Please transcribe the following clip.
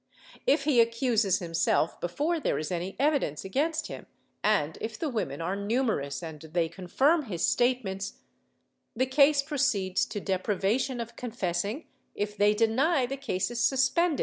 If he accuses him self before there is any evidence against him, and if the women are numerous and they confirm his statements, the case proceeds to deprivation of confessing; if they deny, the case is suspended, » MSS.